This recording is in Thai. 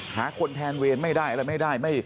หาคนแทนเวนไม่ได้ไม่ได้